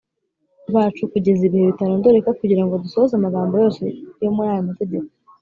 Bacu kugeza ibihe bitarondoreka kugira ngo dusohoze amagambo yose yo muri aya mategeko